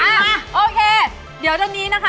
อ่าโอเคเดี๋ยวตัวนี้นะคะ